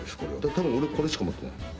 たぶん俺これしか持ってない。